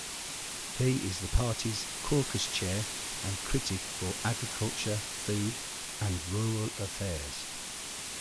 He is the party's Caucus Chair and critic for Agriculture, Food and Rural Affairs.